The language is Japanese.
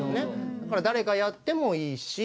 だから誰がやってもいいし。